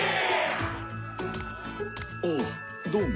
あどうも。